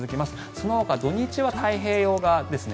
そのほか土日は太平洋側ですね。